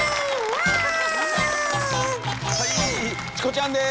チコちゃんです。